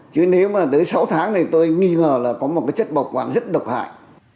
chứ nếu mà tới sáu tháng thì tôi nghi ngờ là có một cái chất bảo quản rất độc hại